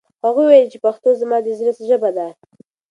هغه وویل چې پښتو زما د زړه ژبه ده.